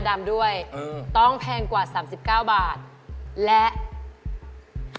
แพงกว่าแพงกว่าแพงกว่าแพงกว่า